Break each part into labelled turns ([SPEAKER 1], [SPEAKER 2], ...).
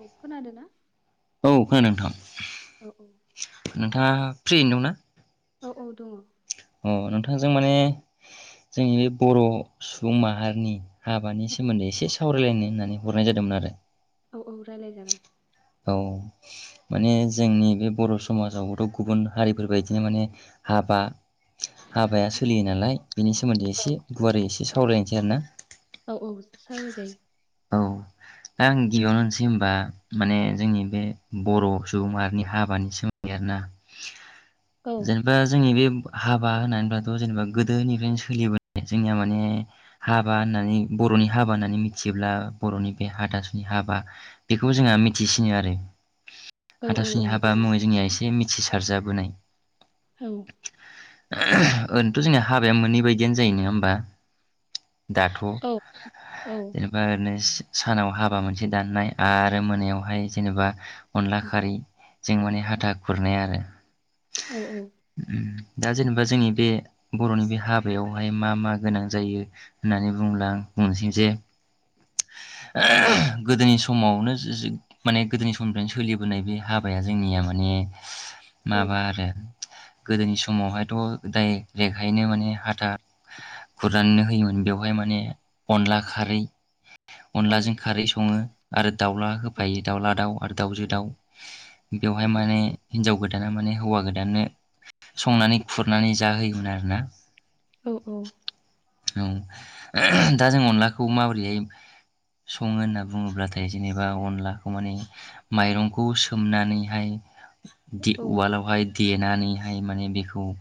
[SPEAKER 1] अ खोनादोंना?
[SPEAKER 2] औ खोनादों नोंथां। नोंथाङा। फ्रि दंना?
[SPEAKER 1] औ औ दङ।
[SPEAKER 2] अ नोंथांजों माने जोंनि बे बर' सुबुं माहारिनि हाबानि सोमोन्दै एसे सावरायलायनो होननानै हरनाय जादोंमोन आरो।
[SPEAKER 1] औ औ रायलाय जागोन।
[SPEAKER 2] औ माने जोंनि बे बर' समाजावबोथ' गुबुन हारिफोरबायदिनो माने हाबा हाबाया सोलियो नालाय। बिनि सोमोन्दै एसे गुवारै एसे सावरायनोसै आरो ना।
[SPEAKER 1] औ औ सावरायजायो
[SPEAKER 2] औ दा आं गिबियावनो होनसै होनबा माने जोंनि बे बर' सुबुंमाहारिनि हाबानि सोमोन्दै आरोना।
[SPEAKER 1] औ
[SPEAKER 2] जेनेबा जोंनि बे हाबा होननानैब्लाथ' जेनेबा गोदोनिफ्रायनो सोलिबोन जोंनिया माने हाबा होननानै बर'नि हाबा होननानै मिथियोब्ला बर'नि बे हादासुनि हाबा बेखौ जोंहा मिथिसिनो आरो।
[SPEAKER 1] औ औ
[SPEAKER 2] हाथावसुनि
[SPEAKER 1] औ
[SPEAKER 2] हाबा मुङै जोंनिया एसे मिथिसारजाबोनाय।
[SPEAKER 1] औ।
[SPEAKER 2] ओरैनोथ' जोंनि हाबाया मोननै बायदियानो जायो नङा होमबा? दाथ'
[SPEAKER 1] औ औ
[SPEAKER 2] जेनेबा ओरैनो। सानाव हाबा मोनसे दाननाय आरो मोनायावहाय जेनेबा अनला खारैजों माने हाथा खुरनाय आरो।
[SPEAKER 1] औ
[SPEAKER 2] उ। दा जेनेबा जोंनि बे बर'नि बे हाबायावहाय मा मा गोनां जायो होननानै बुंला आं बुंनोसै जे गोदोनि समावनो माने गोदोनि समनिफ्रायनो सोलिबोनाय बे हाबाया जोंनिया माने। माबा आरो। गोदोनि सम समावहायथ' दाय रेगहायनो माने हाथा गुराननो होयोमोन बेवहाय माने अनला खारै अनलाजों खारै सङो आरो। दाउला होफायो दाउला दाउ आरो दाउजो दाउ बेवहाय माने हिनजाव गोदाना माने हौवा गोदाननो। संनानै खुरनानै जाहोयोमोन आरोना।
[SPEAKER 1] औ औ।
[SPEAKER 2] औ दा जों अनलाखौ माबोरैहाय सङो होनना बुङोब्लाथाय जेनेबा अनलाखौ माने माइरंखौ सोमनानैहाय। दे उवाल आवहाय देनानैहाय। माने बेखौ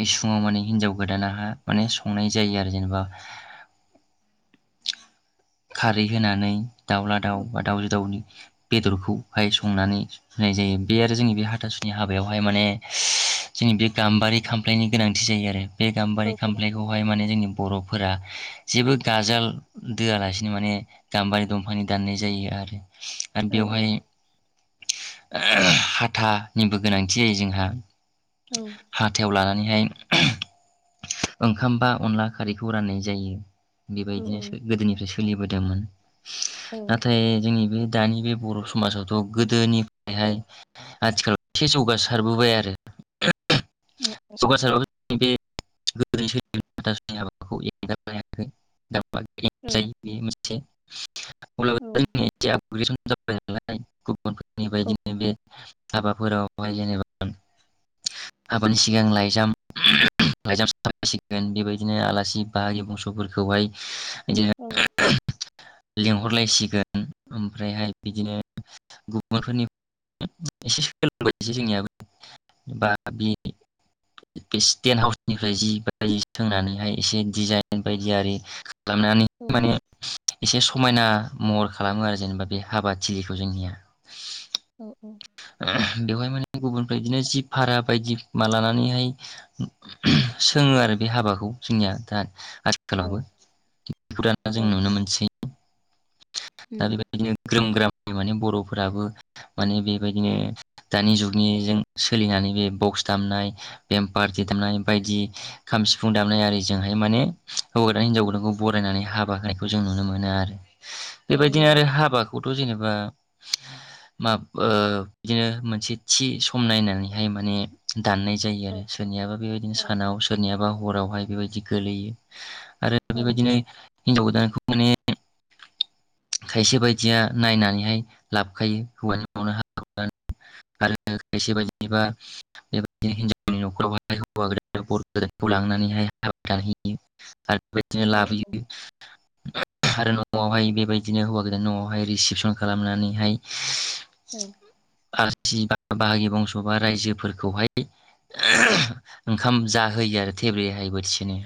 [SPEAKER 2] इसुङाव माने हिनजाव गोदान माने संनाय जायो आरो जेनेबा खारै होनानै दाउला दाउ बा दाउजो दाउनि बेदरखौहाय संनानै होनाय जायो बे आरो जोंनि बे हाथासुनि हाबायावहाय माने जोंनि बे गाम्बारि खामफ्लायनि गोनांथि जायो आरो। बे गाम्बारि खामफ्लायखौहाय माने जोंनि बर' फोरा जेबो गाजाल दोआलासिनो माने गाम्बारि दंफांनि दाननाय जायो आरो। आरो
[SPEAKER 1] औ
[SPEAKER 2] बेवहाय हाथानिबो गोनांथि जायो जोंहा। हाथायाव लानानैहाय ओंखाम बा अनला खारैखौ राननाय जायो। बेबायदिनोसो गोदोनिफ्रायसो सोलिबोदोंमोन। नाथाय जोंनि बे दानि बे बर' समाजावथ' गोदोनिफ्रायहाय आथिखाल एसे जौगासारबोबाय आरो। [unintelligible] [unintelligible] [unintelligible] [unintelligible] [unintelligible] [unintelligible] [unintelligible] जाबाय नालाय। नफोरनि बायदिनो बे हाबाफोरावहाय जेनेबा हाबानि सि सिगां लाइजाम लाइजाम साफायसिगोन बेबायदिनो आलासि बाहागि बंस'फोरखौहाय बिदिनो लिंहरलायसिगोन ओमफ्रायहाय बिदिनो गुबुनफोरनि एसे सोलोंबायसै जोंनियाबो बा बि बे स्टेन्ट हाउसनिफ्राय जि बाय सोंनानैहाय एसे डिजाइन बायदि आरि खालामनानै माने एसे समायना महर खालामो आरो जेनेबा बे हाबा थिलिखौ जोंनिया। बेवहाय माने गुबुनफ्रा बिदिनो जि भारा बायदि मा लानानैहाय सोङो आरो बे हाबाखौ जोंनिया दा आथिखालावबो बेखौ दाना जों नुनो मोनसै। दा बेबादिनो ग्रोम ग्रामनि माने बर'फोराबो माने बेबायदिनो दानि जुगनिजों सोलिनानै बे बक्स दामनाय बेम पार्टि दामनाय बायदि खाम सिफुं दामनाय आरिजोंहाय माने हौवा गोदान हिनजाव गोदानखौ बरायनानै हाबा होनायखौ जों नुनो मोनो आरो। बेबायदिनो आरो हाबाखौथ' जेनेबा माब ओ बिदिनो मोनसे थि सम नायनानैहाय माने दाननाय जायो आरो सोरनियाबा बेबायदिनो सानाव सोरनियाबा हरावहाय बेबायदि गोलैयो आरो बेबायदिनो हिनजाव गोदानखौ माने खायसे बायदिया नायनानैहाय लाबोखायो हौवानि आरो खायसे बायदिबा बेबायदिनो हिनजावनि न'खरावहौ गोान बर' गोदानखौ लांनानैहाय हाबा दानहैयो आरो बेबायदिनो लाबोयो आरो न'आवहाय बेबायदि दिनो हौवा गोैदान न'आवहाय रिसिपसन खालामनानैहाय आलासि बा बाहागि बंस' बा रायजोफोरखौहाय ओंखाम जाहोयो आरो थेब्रेहाय बोथिसेनो।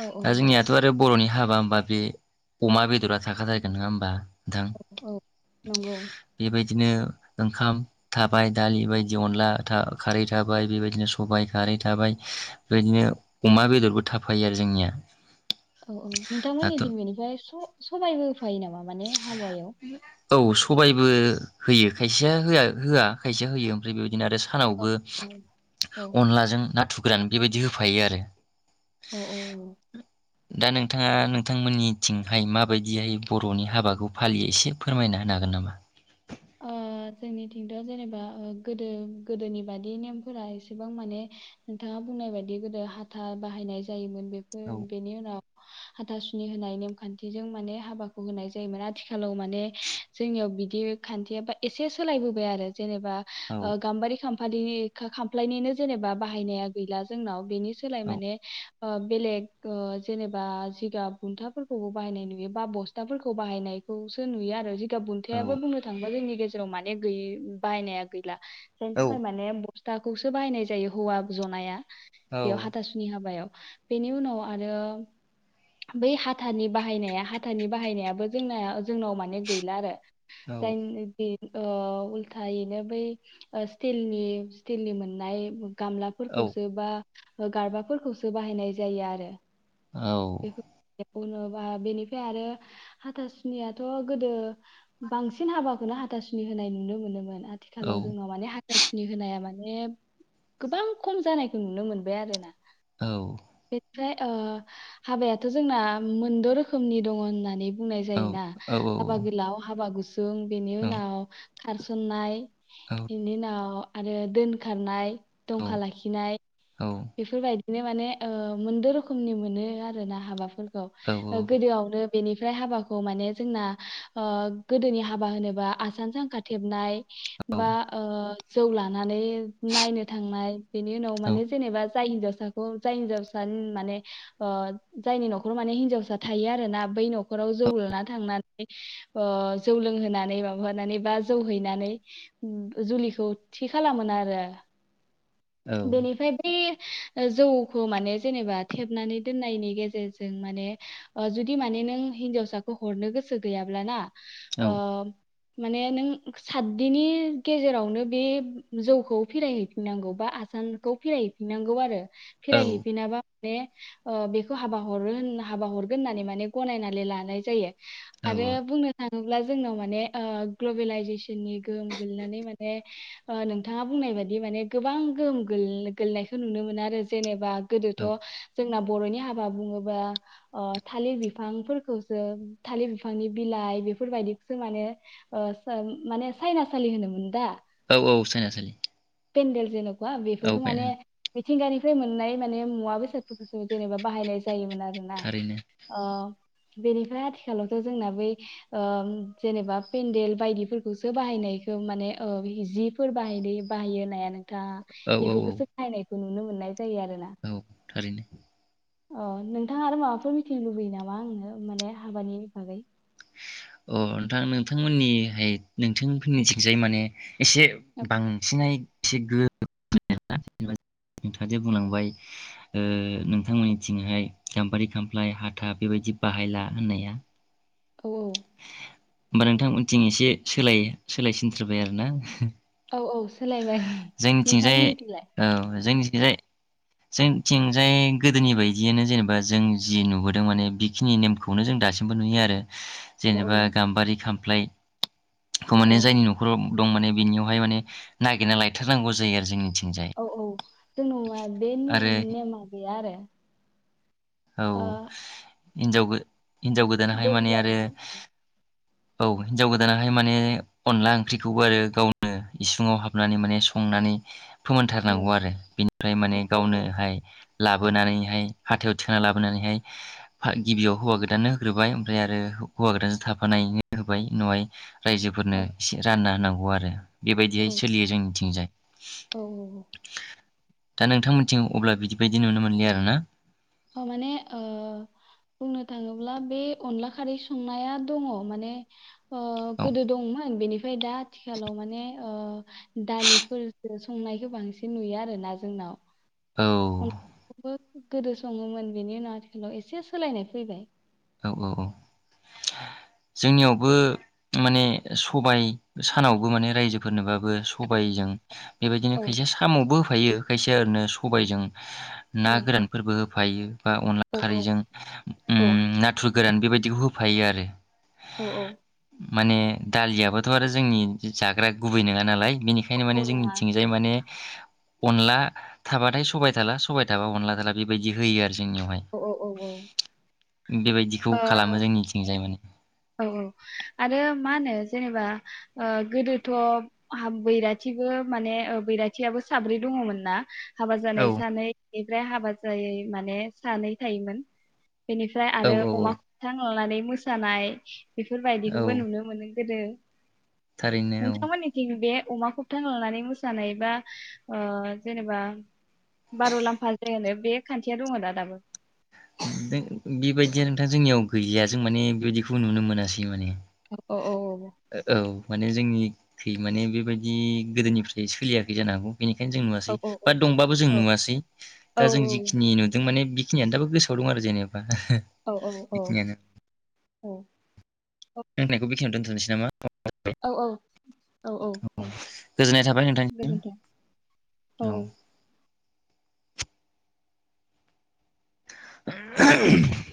[SPEAKER 1] औ
[SPEAKER 2] दा
[SPEAKER 1] औ
[SPEAKER 2] जोंनियाथ' आरो बर'नि हाबा बे अमा बेदरा थाखाथारो नङा होमबा?
[SPEAKER 1] औ औ नंगौ
[SPEAKER 2] बिदिनो ओंखाम थाबाय दालि बायदि अनला खारै थाबाय बेबायदिनो सबायाइ खारै थाबाय बेबायदिनो अमा बेदरबो थाफायो आरो जोंनिया
[SPEAKER 1] औ औ नोंथांमोननि
[SPEAKER 2] दाथ'
[SPEAKER 1] थिन बेनिफ्राय स' सबायबो होफायो नामा माने हाबायाव?
[SPEAKER 2] औ सबाइबो होयो खायसेया होआ-होआ खायसेया होयो ओमफ्राय बेबायदिनो आरो
[SPEAKER 1] औ
[SPEAKER 2] सानावबो
[SPEAKER 1] औ औ
[SPEAKER 2] अनलाजों ना थुर ग्रान बेबायदि होफायो आरो।
[SPEAKER 1] औ औ
[SPEAKER 2] दा नोंथाङा नोंथांमोननिथिंहाय माबायदिहाय बर'नि हाबाखौ फालियो एसे फोरमायना होनो हागोन नामा?
[SPEAKER 1] ओ जोंनिथिंथ' जेनेबा ओ गोदो-गोदोनि बादि नेमफोरा एसेबां माने नोंथाङा बुंनाय बायदि गोदो हाथा बाहायनाय जायोमोन बेफोर
[SPEAKER 2] औ
[SPEAKER 1] बेनि उनाव हाथासुनि होनाय नेमखान्थिजों माने हाबाखौ होनाय जायोमोन आथिखाल खालाव माने जोंनियाव बि ग [unintelligible] खान्थियाबा एसे सोलायबोबाय आरो। जेनेबा
[SPEAKER 2] औ
[SPEAKER 1] ओ गाम्बारि खाम बारि खा-खामफ्लायनिनो जेनेबा बाहायनाया गैला जोंनाव बेनि सोलाय
[SPEAKER 2] औ
[SPEAKER 1] माने ओ बेलेग ओ जेनेबा जिगाब बुन्थाफोरखौबो बाहायनाय नुयो बा बस्थाफोरखौ बाहायनायखौसो नुयो आरो जि गाब बुंन्थायाबो बुंनो जोंनि गेजेराव माने गैय बाहायनाया गै ला
[SPEAKER 2] औ
[SPEAKER 1] बेनिखाय माने फिथाखौसो बाहायनाय जायो हौवा जनाया।
[SPEAKER 2] औ
[SPEAKER 1] बेयाव हाथासुनि हाबायाव। बेनि उनाव आरो बै हाथानि बाहायनाया हाथानि बाहायनायाबो जोंनाया जोंनाव माने गैला आरो।
[SPEAKER 2] औ
[SPEAKER 1] जायनो बे ओ उल्थैनो बै ओ स्टिलनि स्टिलनि मोननाय गामलाफोरखौसो बा गारबाफोरखौसो बाहायनाय जायो आरो।
[SPEAKER 2] औ।
[SPEAKER 1] बुंङोबा बेनिफ्राय आरो हाथासुनियाथ' गोदो बांसिन हाबाखौनो हाथासुनि होनाय नुनो मोनोमोन।
[SPEAKER 2] औ
[SPEAKER 1] आथिखालाव जोंनाव माने हा थासुनि होनाया माने गोबां खम जानायखौ नुनो मोनबाय आरो ना।
[SPEAKER 2] औ।
[SPEAKER 1] ओमफ्राय ओ हाबायाथ' जोंना मोनद' रोखोमनि दङ होननानै बुंनाय
[SPEAKER 2] औ
[SPEAKER 1] जायोना हाबा गोलाव हाबा गु सुं बेनि उनाव खारसननाय इनि उनाव आरो दोनखारनाय। दंखा लाखिनाय। बेफोरबाय दिनो माने ओ मोनद' रोखोमनि मोनो आरो ना हाबाफोर खौ गोदोआवनो बेनिफ्राय हाबाखौ माने जोंना ओ गोदोनि हाबा होनोब्ला आसान सानखा थेबनाय बा ओ जौ लानानै नायनो थांनाय बेनि उनाव
[SPEAKER 2] औ
[SPEAKER 1] माने बा जाय हिनजावसाखौ जाय हिनजावसा माने ओ जायनि न'खराव माने हिनजावसा थायो आरोना बै न'खराव जौ लाना थांनानै ओ जौ लोंहोनानै माबा हैनानै बा जौ हैनानै जुलिखौ थि खालामदोंमोन आरो। बेनिफ्राय बे जौखौ माने जेनेबा थेबनानै दोननायनि गेजेरजों माने ओ जुदि माने नों हिन्जावसाखौ हरनो गोसो गैयाब्लाना ओ माने नों सातदिननि गेजेरावनो बे जौखौ फिरहैफिननांगौ बा सानखौ फिरायहैफिननांगौ आरो।
[SPEAKER 2] औ
[SPEAKER 1] फिरायहैफिनाबा माने ओ बेखौ हाबा हरो होन हाबा हरगोन होननानै माने गनायनानै लानाय जायो। आरो बुंनो थाङो थोब्ला जोंनाव माने ग्लबेलाइजेसननि गोहोम गोल्लैनानै माने नोंथाङा बुंनाय बादि माने गोबां गोहोम गोल गोेलोयनायखौ नुनो मोनो आरो जेनेबा गोदोथ' जोंना बर'नि हाबा बुङोबा थालिर बिफांफोरखौसो थालिर बिफांनि बिलाइ बेफोरबायदिखौसो माने ओ माने सायनासालि होनोमोन दा?
[SPEAKER 2] औ, औ सायनासलि।
[SPEAKER 1] पेनदेल जेनोबा बे बेखौ माने मिथिंगानिफ्राय मोननाय माने मुवा, बेसादफोरखौसो जेनेबा बाहायनाय जायोमोन आरो। आ
[SPEAKER 2] थारैनो
[SPEAKER 1] ओ [unintelligible] बेनिफ्राय आथिखालावथ' जोंना बै ओ जेनेबा पेन्देल बायदिफोरखौसो बाहायनायखौ माने ओ जिफोर बाहाय बाहायो नाया नोंथाङा
[SPEAKER 2] औ औ
[SPEAKER 1] बेफोरखौसो नायनाय नुनो मोननाय जायो आरोना
[SPEAKER 2] औ थारैनो
[SPEAKER 1] अ नोंथाङा आरो माबाफोर मिथिनो लुबैयो नामा आंनो माने हाबानि बागै?
[SPEAKER 2] अ नोंथां नोंथांमोननिहाय नोंथांफोरनिथिंजाय माने एसे बांसिनै [unintelligible] बुंलांबाय नोंथांमोननिथिंहाय गाम्बारि खामफ्लाय हाथा बेबायदि बाहायला होननाया
[SPEAKER 1] औ औ
[SPEAKER 2] होमबा नोंथांमोनथिं एसे सोलाय सोलायसिनथ्रोबाय आरो ना?
[SPEAKER 1] औ औ सोलायबाय नोंथांमोननि थिंलाय?
[SPEAKER 2] जाय जोंथिंजाय गोदोनि बायदियानो जेनेबा जों जि नुबोदों माने बेखिनि नेमखौनो जों दासिमबो नुयो आरो
[SPEAKER 1] औ
[SPEAKER 2] जेनेबा
[SPEAKER 1] औ
[SPEAKER 2] गाम्बारि खाम फ्लाय खौ
[SPEAKER 1] औ
[SPEAKER 2] माने जायनि नख'राव दं माने बिनियावहाय माने नागिरना लायथारनांगौ जायो आरो जोंनिथि
[SPEAKER 1] औ औ जों नङा बे
[SPEAKER 2] आरो
[SPEAKER 1] नेम नेमा गैया आरो
[SPEAKER 2] औ
[SPEAKER 1] ओ
[SPEAKER 2] हिनजाव गो हिन्जाव गोदानहाय
[SPEAKER 1] दे
[SPEAKER 2] माने
[SPEAKER 1] बुंलाय
[SPEAKER 2] आरो
[SPEAKER 1] नोंथां
[SPEAKER 2] औ हिनजाव गोदानाहाय माने अनला ओंख्रिखौबो आरो गावनो इसुङाव हाबनानै माने संनानै
[SPEAKER 1] औ
[SPEAKER 2] फोमोनथारनांगौ आरो बिनिफ्राय माने
[SPEAKER 1] औ
[SPEAKER 2] गावनो हाय लाबोनानैहाय हाथायाव थिखांना लाबोनानैहाय गिबियाव हौवा गोदाननो होग्रोबाय ओमफ्राय आरो हौवा गोदानजों थाफानायनो होबाय उनावहाय रायजोफोरनो
[SPEAKER 1] औ
[SPEAKER 2] एसे रानना होनांगौ आरो बेबायदियै सोलियो जोंनिथिंजाय।
[SPEAKER 1] औ औ औ
[SPEAKER 2] दा नोंथांमोनथिं अब्ला बिदि बायदि नुनो मोनलिया आरो ना?
[SPEAKER 1] माने ओ बुंनो थाङोब्ला बे अनला खारै संनाया दङ' माने ओ
[SPEAKER 2] औ
[SPEAKER 1] गोदो दंमोन बेनिफ्राय दा आथिखालाव माने ओ दालिफोरखो संनायखौ बांसिन नुयो आरो ना जोंनाव
[SPEAKER 2] औ
[SPEAKER 1] गोदो सङोमोन बेनि उनाव आथिखालाव एसे सोलायनाय फैबाय।
[SPEAKER 2] औ औ औ जोंनियावबो माने सबाय सानावबो माने रायजोफोरनोबाबो सबायजों बेबायदिनो
[SPEAKER 1] औ
[SPEAKER 2] खायसे साम'बो होफायो खायसे ओरैनो सबायजों ना
[SPEAKER 1] दे
[SPEAKER 2] गोरानफोरबो होफायो बा
[SPEAKER 1] औ
[SPEAKER 2] अनला खारैजों
[SPEAKER 1] औ
[SPEAKER 2] उम ना गोरान बेबायदिखौ होफायो आरो
[SPEAKER 1] औ -औ।
[SPEAKER 2] माने दालियाबोथ' आरो जोंनि जाग्रा गुबै नङा नालाय
[SPEAKER 1] औ
[SPEAKER 2] बेनिखायनो माने
[SPEAKER 1] औ नङा
[SPEAKER 2] जोंनिथिंजाय माने अनला थाबाथाय सबाय थाला सबाय थाबा अनला थाला बेबायदि होयो आरो जोंनियावहाय
[SPEAKER 1] औ औ औ औ
[SPEAKER 2] बेबायदिखौ
[SPEAKER 1] ओ
[SPEAKER 2] खालामो जोंनिथिंजाय माने
[SPEAKER 1] औ -औ आरो मा होनो जेनेबा गोदोथ' बैराथिबो माने बैराथियाबो साब्रै दङमोन ना हाबा
[SPEAKER 2] औ
[SPEAKER 1] जानाय सानै ओमफ्राय हाबा जायै माने सानै थायोमोन बेनिफ्राय
[SPEAKER 2] औ
[SPEAKER 1] आरो
[SPEAKER 2] औ
[SPEAKER 1] अमाखौथां लानानै मोसानाय [inaudible] बेफोरबायदिखौबो
[SPEAKER 2] औ
[SPEAKER 1] नुनो मोनो गोदो
[SPEAKER 2] थारैनो औ
[SPEAKER 1] नोंथामोननि थिं बेे अमा खबथां लानानै मोसानाय बा ओ जेनेबा बारुलाम्फा जायो होनो बे खान्थिया दङ दा -दाबो
[SPEAKER 2] बेबायदिया नोंथां जोंनियाव गैया जों माने बेबायदिखौ नुनो मोनासै माने
[SPEAKER 1] औ- औ।
[SPEAKER 2] औ। माने जोंनिखै माने बेबायदि गोदोनिफ्राय सोलियाखै जानो हागौ बेनिखायनो जों
[SPEAKER 1] औ
[SPEAKER 2] नुवासै
[SPEAKER 1] औ
[SPEAKER 2] बा दंबाबो जों नुवासै
[SPEAKER 1] औ
[SPEAKER 2] दा जों जिखिनि नुदों माने खिनिआ दाबो गोसोआव दं आरो जेनेबा।
[SPEAKER 1] औ औ औ औ।
[SPEAKER 2] [unintelligible] खिनिआवनो दोनथनोसै ना औ
[SPEAKER 1] औ औ औ औ दे
[SPEAKER 2] गोजोननाय थाबाय नोंथांनिसिम
[SPEAKER 1] गोजोन्थों औ
[SPEAKER 2] औ
[SPEAKER 1] औ
[SPEAKER 2] [unintelligible]